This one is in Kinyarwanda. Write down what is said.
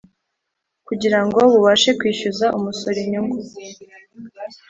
Kugira ngo bubashe kwishyuza umusoro inyungu